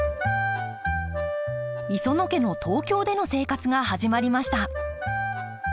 磯野家の東京での生活が始まりました